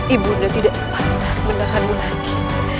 ibu nara tidak pantas menahanmu lagi